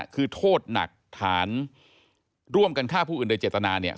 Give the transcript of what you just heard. คือโทษหนักฐานร่วมกันฆ่าผู้อื่นโดยเจตนาเนี่ย